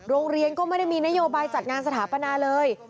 โรงเรียนก็ไม่ได้มีนโยบายจัดงานสถาปนาเลย